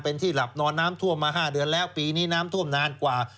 เป็นที่หลับนอนน้ำท่วมมา๕เดือนแล้วปีนี้น้ำท่วมนานกว่า